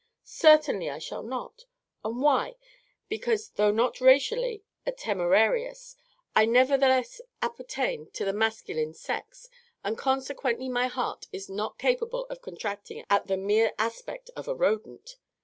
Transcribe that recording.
"Certainly I shall not; and why? Because, though not racially a temerarious, I nevertheless appertain to the masculine sex, and consequentially my heart is not capable of contracting at the mere aspect of a rodent.